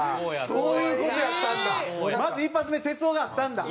そういう事やったんだ。